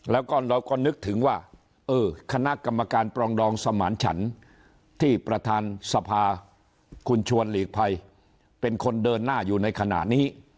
แล้วก็เราก็นึกถึงว่าเออคณะกรรมการปรองดองสมานฉันที่ประธานสภาคุณชวนหลีกภัยเป็นคนเดินหน้าอยู่ในขณะนี้